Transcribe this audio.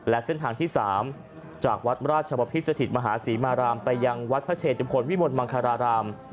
และเส้นทางที่๓จากวัดราชบพิษสถิตมหาศรีมารามไปยังวัดพระเชจุมพลวิมลมังคาราราม